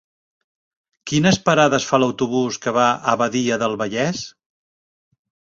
Quines parades fa l'autobús que va a Badia del Vallès?